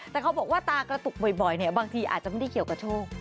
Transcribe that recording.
แต่เขาบอกว่าตากระตุกบ่อยเนี่ยบางทีอาจจะไม่ได้เกี่ยวกับโชค